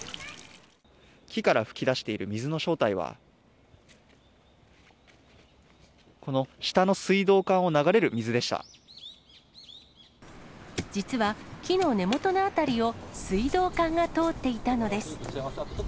木から噴き出している水の正体は、実は、木の根元の辺りを水道管が通っていたのです。